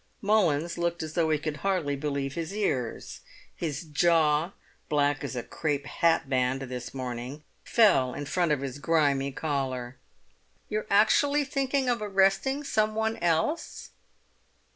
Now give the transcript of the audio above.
Mullins looked as though he could hardly believe his ears; his jaw, black as a crape hat band this morning, fell in front of his grimy collar. "You're actually thinking of arresting some one else?"